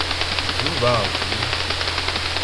Vʉ̂ bə́ â vʉ̌.